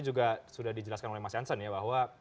juga sudah dijelaskan oleh mas jansen ya bahwa